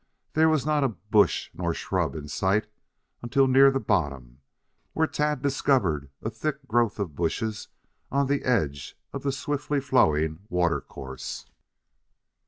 There was not a bush nor shrub in sight until near the bottom, where Tad discovered a thick growth of bushes on the edge of the swiftly flowing water course.